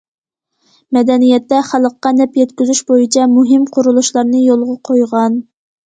مەدەنىيەتتە خەلققە نەپ يەتكۈزۈش بويىچە مۇھىم قۇرۇلۇشلارنى يولغا قويغان.